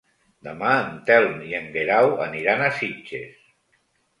Demà en Telm i en Guerau aniran a Sitges.